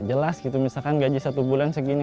jelas gitu misalkan gaji satu bulan segini